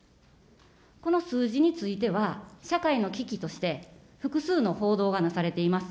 この数字については、社会の危機として、複数の報道がなされています。